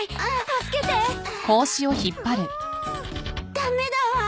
駄目だわ。